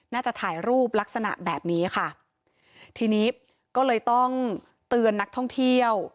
น่าจะถ่ายรูปลักษณะแบบนี้ค่ะทีนี้ก็เลยต้องเตือนนักท่องเที่ยว